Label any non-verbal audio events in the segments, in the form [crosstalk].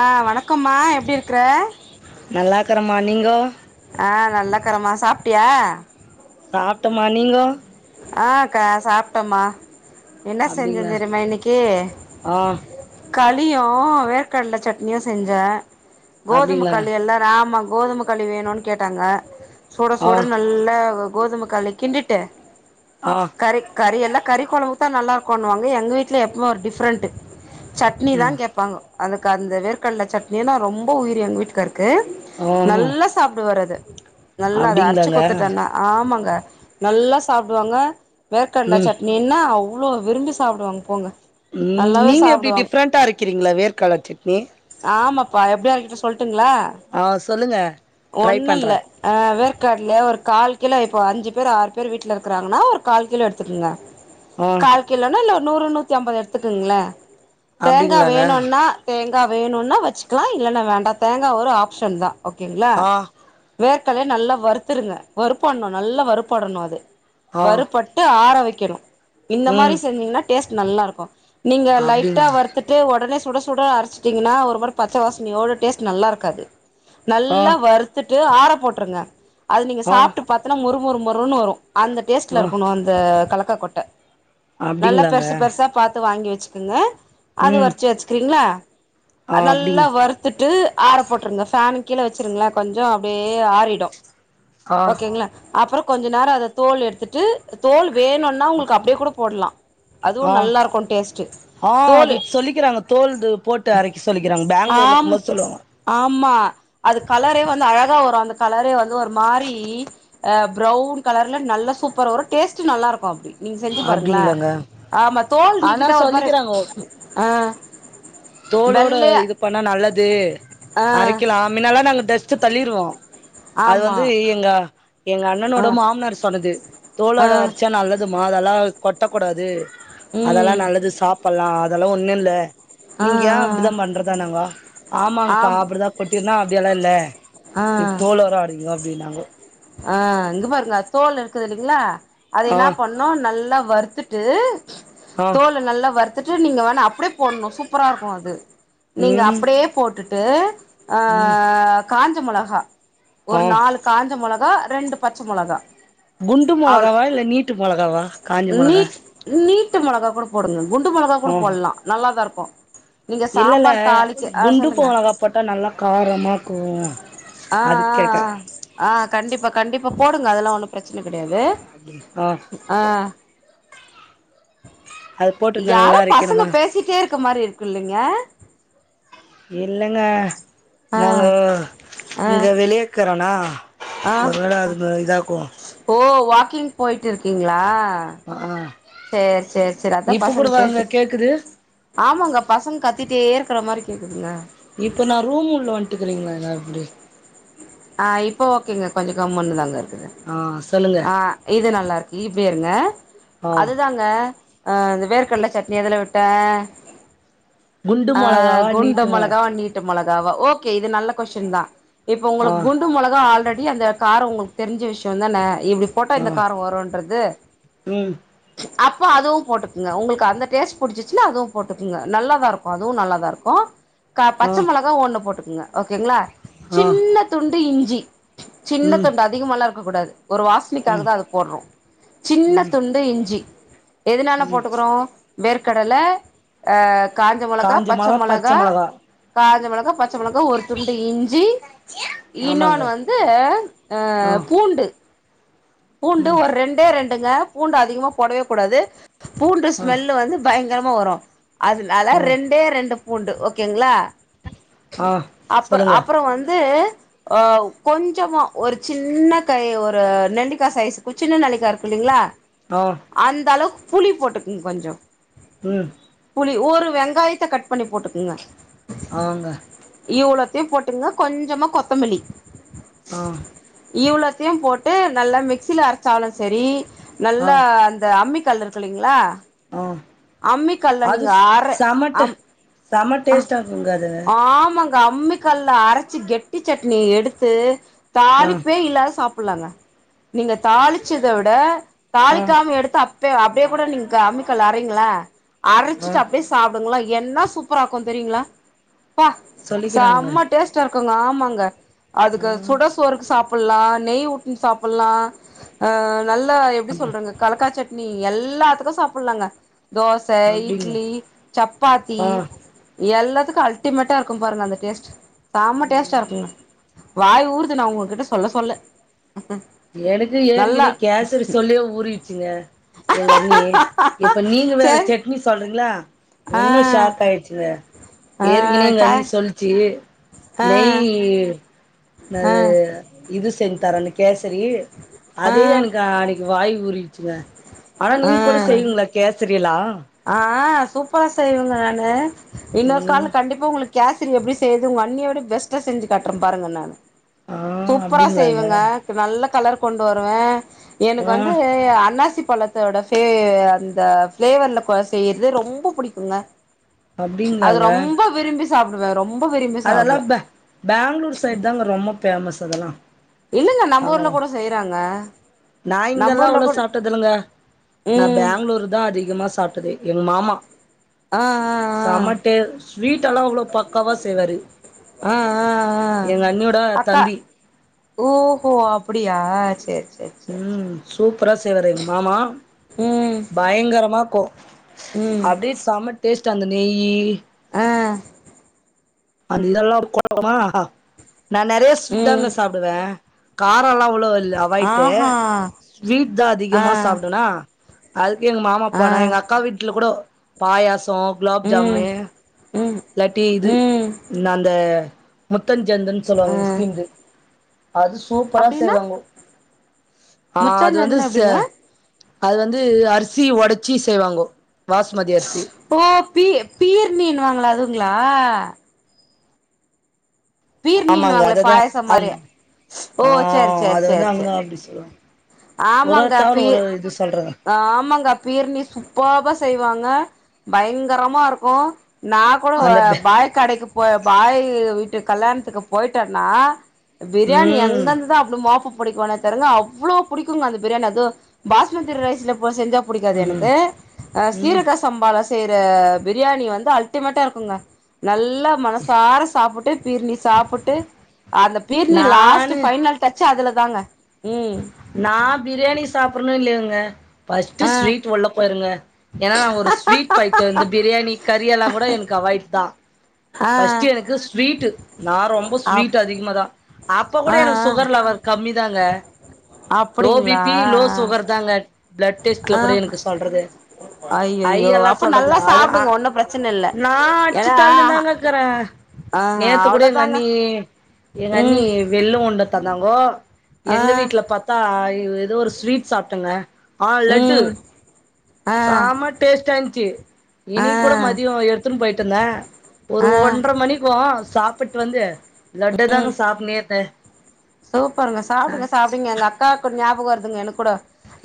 ஆ வணக்கம்மா எப்படி இரு க்ற நல்லாக்கிறமா நீங்கோ ஆ நல்லாக்கிரமா சாப்ட்டியா சாப்ட்டமா நீங்கோ ஆ கா சாப்ட்டமா என்ன செஞ்ச அப்டிங்களா தெரிமா இன்னிக்கு ஆ களி ஆ வேர்கட்ல சட்னியு செஞ்சே அப்டிங்களா கோதுமக்களி எல்லா ராமா கோதுமக்களி வேணுன்னு கேட்டாங்க சுட ஆ சுட நல்லா கோதுமக்களி கிண்டிட்டு ஆ கறி கறி எல்லா கறி கொழம் [unintelligible] நல்லா இருக்குனுவாங்க எங்கீட்ல எப்வுமே ஒரு டிஃப்ரெண்ட்டு சட்னி ம் தான் கேப்பாங்கொ அதுக்கு அந்த வேர்கட்ல சட்னினா ரொம்ப உயிரு எங்க வீட்டுகாருக் க்கு ஓஹோ நல்லா சாப்டுவாரத நல்லா அது அரைச்சு அப்டிங்களாங்க கொத்துட்டேனா ஆமாங்க நல்லா சாப்டுவாங்க வேர்க்கட்ல ம் சட்னினா அவ் இ்வளோ விரும்பி சப்டுவாங்க போங்க உம் நல்லாவே நீங்க எப்படி சாப்டுவாங்க டிஃப்ரெண்டா இருக்கிறீங்களா வேர்க கலர் சட்னி பா எப்டியு அவிங்கிட்ட சொல் டுங்களா ஆ சொல்லுங்க ட்ரை ஒன்னுல்ல பண்றே அஹ் வேற்கட்ல ஒரு கால் இல்ல இப்போ அஞ்ஜு பேர் ஆறு பேர் வீட்லிர் க்குறாங்கன்னா ஒரு கால் கிலோ எடுத்துக்கங்க ஆ கால் கிலோன இல்ல நூறு நூத்தி அம்பது எடுத்துக்குங்களே தேங்கா அப்டிங்களாங்க வேணுன்னா தே தேங்கா வேணுன்னா வச்சுக்கலா இல்லன்னா வேண்டா தேங்கா ஒரு ஆப்ஷன் தா ஓகேங்களா ஆ வேர்க் கல்லய நல்லா வருத்துருங்க வருப்பட்ணு நல்லா வருப்படணு அது ஆ வருபட்டு ஆர வெக் கெனு இந்த மாரி ம் செஞ்ஜிங்கன்னா டேஸ்ட் நல்லாருக்கும் நீங்க லைட்டா அப்டிங்களா வரத்துட்டு ஒடனே ஸ் சுட சுட அரச்சுட்டிங்கன்னா ஒருமாரி பச்ச வாசனையோட டேஸ்ட் நல்லாருக்காது ஆ நல்லா வருத்துட் ட்டு ஆர போட்ருங்க அது நீங்க ஆ சாப்ட்டு பாத்துனா மொறு மொறு முறுன்னு வரு அந்த டேஸ்ட்ல ஆ இருக்குணு அந்த கலக் காக்கொட்ட நல்லா அப்டிங்களாங்க பெர்சு பெர்சா பாத் து வாங்கி வெச்சுக்குங்க அது ம் வர்ச்சி வச்க்கிறீங்களா ஆ நல்லா அப்டிங் வருறுத்துட்டு ஆற போட்ருங்க ஃபேனுங் கீழ வச்சிருங்ளே கொஞ்சோ அப்டே ஆறிடு ஆ ஓகேங்களா அப்பறோ கொஞ்ச நேர அத தோல் எடுத்துட்டு தோல் வேணுனா உங்குள்க்கு அப்டே கூட போட்லா ஆஹ் ஆஹ் அது தோலு சொல்லிக்கிறாங்க தோல்து போட்டு அரக்கி சொல்லிகிறாங் பெங்ளூர்லெக்கும்மோது சொல்லுவாங்கொ ம்மா அது கலரே வந்து அழகாவரு அந்த கலரே வந்து ஒர் மாரி அஹ் பரவூன் கலர்ல நல்லா சூப்பர் வரு டேஸ்ட்டு நல்லாருக்கு அப்டி நீங் செஞ்சு பாருங்ளே அப்டிங்களாங்க ஆமா தோல் ஆனா நீக்கிட்டா ஒரு மாரி சொல்லிக்கிறாங்க ஆஹ் தோலோட இது பண்ணா நல்லது ஆ அரக்கிலா மின்னலா நாங்க டெஸ் டு தள்ளிருவோ அது ஆமா வந்து எங்க எங்க ஆ அண்ணனோட மாம்னார் சொன்னது ஆ தோளோட அர்ச்சா நல்லதுமா அதலா கொட்டக்கூடாது அதல்லா ம் நல்லது சாப்பல்லா அதலா ஒண்ணுல்ல ஆ நீங் ஏ அப்டிதா பண்றதா நாங்கோ ஆ ஆமாங்பா ஆம் அப்பிடிதா கொட்டிர்நா அப்டியலால்ல இத் தோல் வொரா ஆடுது அப்டின்னாங்கொ ஆஹ் இங்கு பாருங்கொ தோலிருக்குதில்லிங்ளா அது ஆ என்னா பண்ணு நல்லா வருத்துட் டூ ஆ தோல நல்லா வர் துட்டு நீங்க வானீ அப்டே போட்ணு சூப்பராருக்கு அது நீங்க ம் அப்படியே போட்டுட் டு ம் ஆஹ் காஞ்ச மொளஹா ஆ ஒரு நாலு காஞ்ச மொள கா ரெண்டு பச்ச மொளகா குண்டு அவ்ள மொளகாவா இல்ல நீட்டு மொளகாவா காஞ்ச மொளகா ட்டு மொளகா கூட போடுங்க குண்டு மொளகா ஆ கூடபோட்லா நல்லாதாருக் ஒ இல்லல்ல குண்டு போலகா போட்டா நல்லா காரமாக்கு ஆ ஆ அதுக் கேட்ட ஆ ஆ கண்டிப்பா கண்டிப்பா போடுங்க அதல்லா ஒன்னு ப்ரெச்ன கெட் எது ஆ ஆஹ் அது போட்டு யாரோ நல்லா பசங்க அரைக்கணுமா பேசிட்டே இருக்க மாரி இருக்கு இல்லங்க இல்லங்க ஆ நாங்க ஆ இங்க வெளியேக்கறோனா ஆ ஒரு வேள அது ப இதாக்கு ஓ வாக்கிங் போய்ட்டிருக்கீங்களா ஆஹ் சேரி சேரி சேரி அதா பசங்க பேசி கேக்குது ஆமாங்க பசங்க கத்திட்டே இரு க்கர மாரி கேக்குதுங்க இப்ப நா ரூம் உள்ள வன்ட்டிக்குறீங்களா அனா எப்டி ஆஹ் இப்ப ஓகேங்க கொஞ்ச கம்முனு தாங்க இரு ஆ சொல்லுங்க ஆஹ் இது நல்லாருக்கு இப்டியேருங்க ஆ அதுதாங்க அஅந்த வேர்கட்ல சட்னி எதுல விட்ட குண்டு மொளகாவா நீட்டு மா நீட்டு மொளகாவா ஓகே இது நல்ல கொஷின் தா இப்ப உங்களுக்கு ஆ குண்டு மொளகா ஆல்ரெட் டி அந்த காரோ உங்களுக்கு தெரிஞ்ச விஷ்யோ தான இப்டி போட்டா ஆ இந்த காரொ வருன்றது ம் அப்ப அதுவு போட்டுக்குங்க உங்களுக்கு அந்த டேஸ்ட் புடிச்சிச்சுன்னா அதுவு போட்டுக்குங்க நல்லாதா இருக்கு அதுவு நல்லாதா இருக்கு க ஆ பச்ச மொளகா ஒண்ணு போட்டுக்குங்க ஓகேங்களா ஆ சின்ன த்து இஞ்சி சின்ன ம் தொண்டதிகமால்லா இரு க்க கூடாது ஒரு வாசனிக்காக ம் தா அது போடுறோ சின்ன ம் துண்டு இஞ்சி எதுனால போட்டுக்குறோ வேர்க்கடல அஹ் காஞ்ச மொளகா பச்ச மொளகா கா ச மொளகா பச் ச்ச மொளகா ஒரு துண்டு இஞ்சி ஆமாங்க இனோன் வந்து ஆ பூண்டு பூண்டு ஒரு ரெண்டே ரெண் டுங்க பூண்டு அதிகமா போடவே கூடாது பூண்டு ஆ ஸ்மெல்லு வந்து பயங் தினமு வரோ அதுனால ஆ ரெண்டே ரெண்டு பூண்டு ஓகேங்ளா ஆ அப்புற சொல்லுங்க அப்புறோ வந்து ஆ கொஞ்சமா ஒரு சின்ன கை ஒரு நெல்லி கா சைஸ் ஒ சின்ன நெல்லிக்கா இருக் இல்லிங்ளா ஆ அந்தள புளிப் போட்டுக் கொஞ்சோ உம் ளி ஒரு வெங்காயத்த கட் பண்ணி போட்டுக்கோங்க ஆங்க இவ்ளோத்தையு போட்டுங்க கொஞ்சமா கொத்தமில்லி ஆ இவ்ளோத்தியு போட்டு நல்லா மி ஸ்சில அரச்சாலு செரி ஆ நல்லா அந்த அம்மி கல் இருக்குலீங்ளா ஆ அம்மிக்கல்ல அது நீங்க அற செம டே ஆம் செம அ டேஸ்ட்டா இருக்குங்க அது ஆமாங் கா அம்மிக் கல்ல அரச்சி கெட்டி சட்னி எடுத்து ஆ தாளிப்பே இல்லாத சாப் புல்லாங்க நீங்க தாளிச்சத விட ஆ தாளிக்காம எடுத்து அப் பே அப்டே கூட நீங்கா அம்மிக் கல்ல றிங்ளா ஆ அரைச்சிட்டு அப்டே சாப்டுங்ளே என்னா சூப்பராக்கோ தெரியுங்ளா பா சொல்லிக்கிறாங்க செம டேஸ்ட்டா இருக்கோங்க மாங்க ஆ அதுக்கு சுட சோறுக் சாப் புல்லா நெய் உட்டுனு சாப்புல்லா ஆ நல்லா எப்டி அப் சொல்றதுங்க கல்லக்கா சட்னி எல்லாத்துக்கும் சாப்புட்லாங்க தோச அப்டிங்களா இட்லி சப்பாத்தி ஆ எல்லா த்துக்கு அல்டிமேட்டா இருக்கும் பாருங்க அந்த டேஸ்ட் செம டேஸ்ட்டா இருக்குங்க வாய் ஊருது நா உங்ககிட்ட சொல்ல சொல்ல எனக்கு நல்லா ஏற்கனே கேசரி சொல்லவே ஊறிச்சுங்க எங்க அண்ணி இப்ப நீங்க வேற சேரி சட்னி சொல்றீங்களா ஆ உன்னும் ஷாக் ஆயிடுச்சு ஆ ஏற்கனே கா எங்கண்ணி சொல்லிச்சு ஆ நெய்யு ஆ என்னது இது செஞ் தரன்னு கேச ரி ஆ அதே எனக்கு அன்னைக்கு வாய் ஊறிட் ச்சுங்க ஆனா ஆ நீங்க கூட செய்வீங்களா கேசரி எல்லா ஆ சூப்பரா செய்வேங்க நானு இன்னொரு ம் கால்ல கண்டிப்பா உங்களுக்கு கேச சரி எப்டி செய்றது உங்க அண்ணிய விட பெஸ்ட்டா செஞ்சுக் காட்டுற பாருங்க நானு ஆ சூப்பரா அப்டிங்களாங்க செய்வேங்க நல்ல கலர் கொண்டு வருவ எனக்கு ஆ வந்து அன்னாசி பழத் தோட ஃபே அந்த ஃபிளேவர் கொ செய்யுறது ரொம்ப புடிக்குங்க அது ரொம்ப விரும்பி சாப்டுவேன் ரொம் அதெல்லாம் பே பேங்களூர் சைட் தாங்க ரொம்ப பேமஸ் அதெல்லா இல்லங்க நம்ம ஊர்ல அங்கதா கூட செய்றாங்க நா நம்ப இங்கெல்லா ஊர்ல அவ்ளோ கூட சாப்ட்டதில்லங்க நா ம் பேங்களூர் தா அதிகமா சாப்ட்டதே எங்க மாமா ஆ சம டே ஸ்வீட் எல்லா அவ்ளோ பக்காவா செய்வாரு ஆ ஆ ஆ எங்க அண்ணியோட அக்கா தம்பி ஓஹோ அப்டியா செரி ம் சூப்பரா செய்வாரு எங்க மாமா சேரி ம் பயங்கரமா கோ ம் அப்டியே சம டேஸ்ட்டு அந்த நெய்யி ஆ அந்தல்லா [inaudible] நா நெறைய ஸ்வீட் தாங்க ம் சாப்டுவே கா ரொல்லா அவ்ளோவ் இல்ல அவாய்ட்டு ஆஹா ஸ்வீட் தா ஆ அதிகமா சாப்டுவனா அது கே எங்க மாமா ஆ அப்ப நா எங்க அக்கா வீட்ல கூடொ பாயாஸ் தோ குலோப் ம் ஜாமுனு ம் இல்லாட்டி இது ம் அந்தந்த புத்தஞ்சந்துன் ஆ சொல்லுவாங்க முஸ்லிம்து அது சூப்பரா அப்டின்னா செய்வாங்கோ ஆ அது வந்து முச்சாஞ்சஞ்சுனா செ எப்டிங்க அது வந்து அரிசி ஒடச்சி செய்வாங்கோ பாஸ்மதி அரிசி ஓ பீ பியர் நீன்னு வாங்களே அது ங்களா பீர் ஆமாங்க நீனுவாங்களே அததா பாயச அந் மாரி ஓ ஆ செரி செரி செரி செரி ஒருரோரு தகவ ஒரு இது சொல் ஆமாங்க பீர்னி சூப்பப்பா செய்வாங்க பயங்கரமா இருக்கும் நா கூட அந்த பே பாய் கடைக்கு போய் பாய் ட்டு கல்யாணத்துக்கு போயிட்டனா பிரியாணி ம் எங்கருந்து தான் அவ்ளோ மோப் புடிக்குவானே பெறகு அவ்ளோ புடிக்குங்க அந்த பிரியாணி அது பாஸ் ஃபுயிர் சீரக ரைஸ்ல உப்மா செஞ்சா புடிக்காது ம் எனக்கு ம் சீரக சம்பா ரஸ் செய்ற பிரியாணி வந்து அல்ட்டிமேட்டா இருக்கோங்க நல் நல்லா மனசார சாப்புட்டு பீர்னி சாப்புட்டு அந்த பீர்னி லாஸ்ட் நானு ஃபைனல் டச் ச்சு அதுல தாங்க ம் நா பிரியாணி சாப்புட்றேனோ இல்லையேங்க பஸ்ட்டு ஆ ஸ்வீட் உள்ள போயிருங்க ஏன்னா நா ஒரு ஸ்வீட் பைத்தியோ இந்த பிரியாணி கறி எல்லா கூட எனக்கு அவாய்ட் தா ஆ பஸ்ட்டு எனக்கு ஸ்வீட்டு நா ரொம்ப அப் ஸ்வீட் அதிகமா தா அப்ப கூட ஆ எனக்கு ஆ சுகர் லெவல் கம்மிதாங்க லோ அப்டிங்களா பீப்பீ லோ சுகர் தாங்க ப்ளட் டெஸ்ட்ல ஆ கூட எனக்கு சொல்றது ஐ ஐயையோ எல்லா அப்ப சொல்றது நல்லா அது ஆ சாப்டுங்க ஒன்னு பிரச்சன இல்ல நா ஏன்னா அச்சுத்தள்னுதாங்கக்குறே ஆ நேத்து கூட எங்க அவ்ளோதாங்க அண்ணி எங்க அண்ணி ம் வெல்லோ கொண்ட தந்தாங்கோ ஆ எங்க வீட்ல பத் நா ஏதோ ஒரு ஸ்வீட் சாப்ட்டேங்க ஆ லட்டு ம் ஆ செம டேஸ்ட்டா இருந்துச்சு ஆ இன்னிக்கு கூட மதியம் எடுத்துன்னு போய்ட்டுருந்த ஒரு ஆ ஒன்ற மணிக்கோ சாப் ப்புட்டு வந்து லட்ட ம் தாங்க சாப்னேருந்த சூப்பருங்க சாப்டுங்க சாப்டுங்க எங்க அக்கா க்கு ஞாபக வருதுங்க எனக்கூட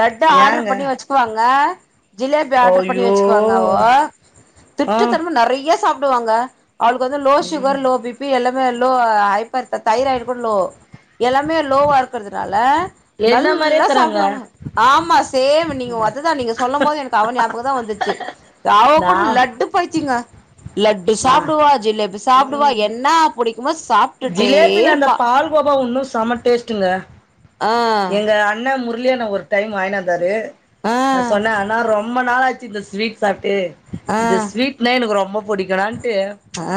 லட்ட ஆட்ர்ரு ஏங்க பண்ணி வச்சுக்குவாங்க ஜிலேபி ஆட்ர்ரு பண்ணி ஐயோ வச்சுக்குவாங்கோவோ ஆ திருட்டுத்தனமா நறைய சாப் ப்டுவாங்க அவளுக்கு வந்து லோ ம் ஷுகர் லோ பீப்பீ எல்லா லோ ஹப்பர் த தைராய்டு கூட லோ எல்லாமே லோவா இருக்கறதுனால் தால என்ன மாரியே நல்லா இக்குறாங்க சாப்டுவாங்க ஆமா சேம் நீங்க அதுதா நீங்க சொல்லம் போது எனக்கு அவ ஞாபகதா வந்துச்சு அவ நா கூட லட்டு பையித்தியங்க லட்டு நா சாப்டுவா ஜிலேபி சாப்டுவா ம் என்னா புடிக்குமோஸ் ஜிலேபில அந்த பால் கோவா ஒன்னுஸ் சம்ம டேஸ்ட்டுங்க ஆ எங்க அண்ண முர் லி அண்ண ஒரு டைம் வாய்ணு வந்தாரு ஆ நா சொன்ன அண்ணா ரொம்ப நாள் ஆச் சி இந்த ஸ்வீட் சாப்ட்டு ஆ இந்த ஸ்வீட்னா எனக்கு ரொம்போ புடிக்குணான்ட்டு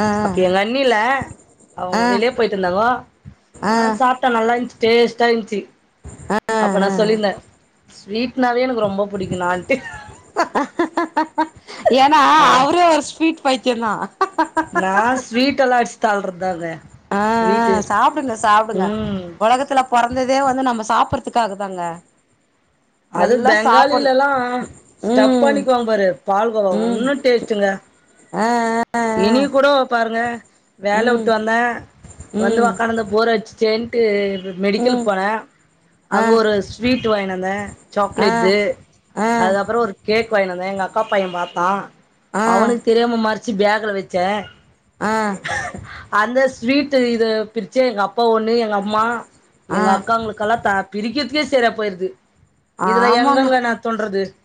ஆ அப்ப எங்க அண்ணி இல்ல அவுங்கொ ஆ வெளிய போய்ட்ருந்தாங்கோ ஆ நா சாப்ட்ட நல்லா இந்த்ச் டேஸ்ட்டா இந்த்ச்சி அப்ப நா ஆ சொல்லிர்ந்த ஸ்வீட்னாவே எனக் கு ரொம்ப புடிக்குன்ணான்ட்டு ஏனா அவரே ஒரு ஸ்வீட் பைத்தியந்தா நா ஸ்வீட்டல்லா அடிச் தள்றதானே ஆ ஆ சாப்டுங்க சாப்டுங்க ம் ஒலகத்துல பொறந்ததே வந்து நம்ம சாப் புர்றத்துக்காகதாங்க அது பெங்காலிலேல்லா ஸ்டஃப் ம் பண்ணிக்குவா பாரு பால்கோவா ம் உன்னு டேஸ்ட்டுங்க இனிக் கூடோ பாருங்க வேல உட்டு ம் வந்த வந்து ம் வக்காந்துர்ந்த போரட் சிச்சேன்ட்டு மெடிக்கலுக் ம் போன ஆ அங்க ஒரு ஸ்வீட் வாய்னு வந்த ஆ சாக்லேட்டு ஆ அது அப்பறொ ஒரு கே க் வாய்னு வந்த எங்க அக்கா பைய பாத்தா ஆ அவனுக் தெரியாம மறச் சி பேகுல வெச்சே ஆ அந்த ஸ் ஸ்வீட்டு் இத பிரிச்சே எங்க அப் பா ஒண்ணு எங்க அம்மா ஆ எங்க அக்காங்களுக்கெல்லா த பிரிக்கெற்துலயே செரியா போய்ருது ஆமாங்க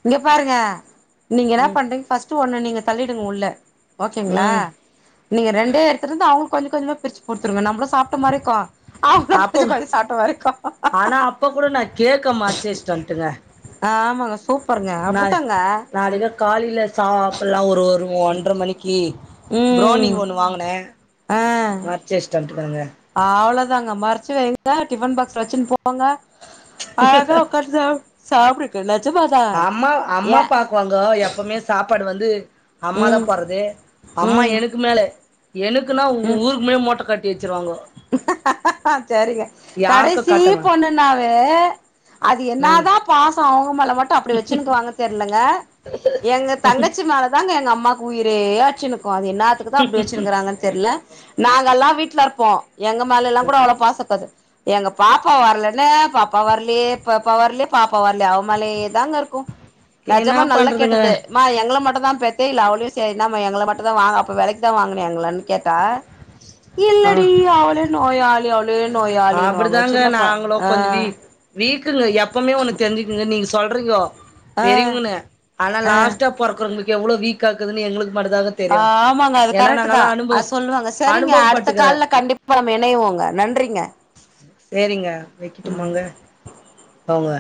இங்க பாருங்க நீங்க என்ன ம் பண்றீங்க ஃபஸ்ட்ட ஒண்ணு நீங்க தள்ளிடுங்க உள்ள ஓகேங்களா ம் நீங்க ரெண்டே எடுத்துருந்து அவங்களு கொஞ்ச கொஞ்சமா பிரிச்சு கொடுத்துருங்க நம்ள சாப்ட்ட மாரிக்கு அப்ப ஆனா அப்ப கூட நா கேட்க மாச்சேச்சன் ஆமாங்க சூப்பருங்க அப்படித்தாங்க காலில சாப்பல்லா ஒரு ங்க ஒண்டர்ர மணிக்கு புரோனி ம் ஒண்ணு வாங்கனே மறச்ச இஷ்டம் ப்பங்க அவ்வளோதாங்க மறைச்சு வைங்க டிஃபன் பாக்ஸ்ல வச்சுன்னு போங்க அழகா உக்காந்து சாப் சாப்டுங்க நெஜமாதா அம்மா அம்மா ஏ பாக்குவாங்க எப்பவுமே சாப்பாடு வந்து அம்மா தா ம் போறது அம்மா ம் எனக்கு மேல எனக்குன்னா ம் ஊருக்குமே மோட்டை கட்டி வச்சிருவாங்க யாருக்க காட்டவ ஆ அது என்ன தா பாச அவங்க மேல மட்டு அப்டி வச்சுன்னுக்குகாங்க தெரியலங்க எங்க தங்கச்சி மேல தான்ங்க எங்க அம்மா மக்கு உயரேயச்சின்னு அது என்னாத்துக்கு தா அப்டி வச்சிருக்காங்க நாங்கல்லா வீட்ல இருப்போ எங்க மேலலா கூட அவ்ள பாசக்காது எங்க பாப்பா வரலன்னே பாப்பா வரலியே பாப்பா வரலியா பாப்பா வரலியா அவமேலியா தாங்க இருக்கு என்ன நஜமா நல்லா பண்றதுங்க கேட்டது மா எங்கள மட்டுந்தா த்த இல்ல அவளும் சரி ந எளை மும் தான் வாங்க அப்ப வெளைக்குதா வாங்கனு எங்க கேட்டா இல்லடி அவளே நோயாளி அவ்ள் அப்டிதாங்க நாங்களோ ஆ கொஞ்ச வீ வீக்குங்க எப்பமே ஒன்னு தெரிஞ்சுக்குங்க நீங்க சொல் க்றியோ ஆ பெரியவங்கன்னு ஆனா ஆ லா்ட பொறவங்களுக் எவ்ளோ வீக் கேக்குதுன்னு எங்களுக்கு மட்டும்தாங்க தெரியும் ஆமாங்க அது ஏன்னா கரெக்ட் தா நாங்கெல்லாம் அனுபவ அ சொல்லுவாங்க சரிங்க அடுத்த அனுபவப்பட்டுக்கிறேன் கால்ல கண்டிப்பா இணைய்வோங்க நன் றிங்க சரிங்க வக்கிட்டுமாங்க அவுங்க